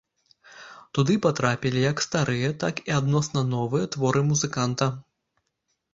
Туды патрапілі як старыя так і адносна новыя творы музыканта.